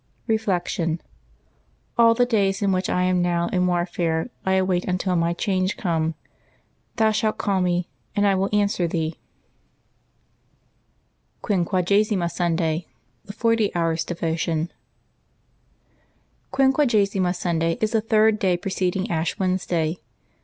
je Reflection. — "All the days in which I am now in war ''■' fare I await until my change come. Thou shalt call me, and I will answer Thee.'' 3 LIVES OF THE SAINTS QUINQUAGESIMA SUNDAY.— THE FORTY HOURS* DEVOTION. QUINQUAGESIMA SuNDAY is the third day preceding Ash Wednesday.